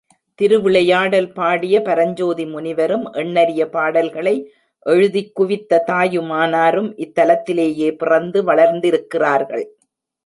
திருவிளையாடல் பாடிய பரஞ்சோதி முனிவரும், எண்ணரிய பாடல்களை எழுதிக் குவித்த தாயுமானாரும் இத்தலத்திலேயே பிறந்து வளர்ந்திருக்கிறார்கள்.